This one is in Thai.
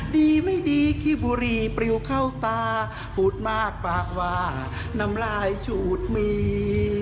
ดีไม่ดีขี้บุหรี่ปริวเข้าตาพูดมากปากว่าน้ำลายฉูดมี